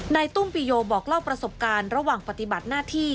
ตุ้มปีโยบอกเล่าประสบการณ์ระหว่างปฏิบัติหน้าที่